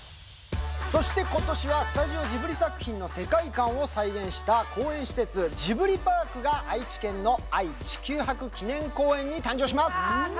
そして今年はスタジオジブリ作品の世界観を再現した公園施設ジブリパークが愛知県の愛・地球博記念公園に誕生します！